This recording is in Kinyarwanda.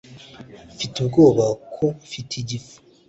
mfite ubwoba ko mfite igifu